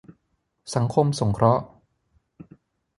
สังคมสงเคราะห์